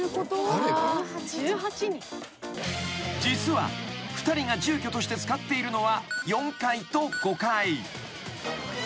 ［実は２人が住居として使っているのは４階と５階］